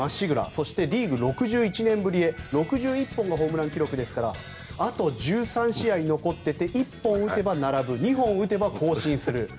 そしてリーグ６１年ぶり６１本のホームランですからあと１３試合残っていて１本打てば並ぶ２本打てば更新する。